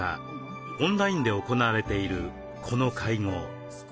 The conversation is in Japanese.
オンラインで行われているこの会合。